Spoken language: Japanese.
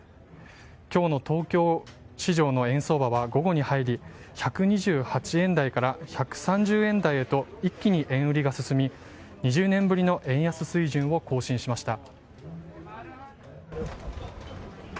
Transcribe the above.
今日の東京市場の円相場は午後に入り１２８円台から１３０円台へと一気に円売りが進み、２０年ぶりの円安水準を更新しました。